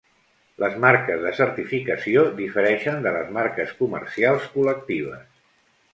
Les marques de certificació difereixen de les marques comercials col·lectives.